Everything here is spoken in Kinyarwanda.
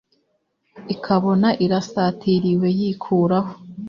ikabona irasatiriwe, yikuraho